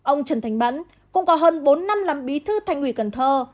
ông trần thánh bẫn cũng có hơn bốn năm làm bí thư thành ủy cần thơ